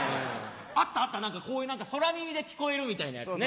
あったあったこういう空耳で聞こえるみたいなやつね。